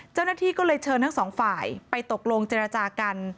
เจ้าหน้าที่ก็เลยเชิญทั้งสองฝ่ายไปตกลงเจรจากัน